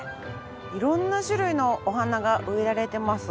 色んな種類のお花が植えられてます。